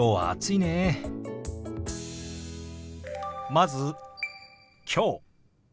まず「きょう」。